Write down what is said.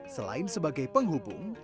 selain sebagai penghubung